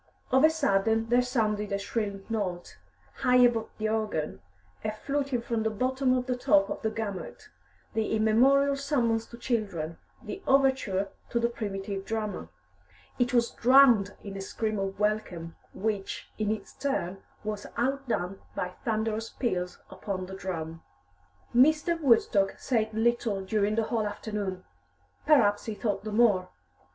Of a sudden there sounded a shrill note, high above the organ, a fluting from the bottom to the top of the gamut, the immemorial summons to children, the overture to the primitive drama. It was drowned in a scream of welcome, which, in its turn, was outdone by thunderous peals upon the drum. Mr. Woodstock said little during the whole afternoon. Perhaps he thought the more.